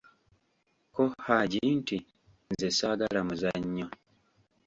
Ko Haji nti:"nze saagala muzanyo"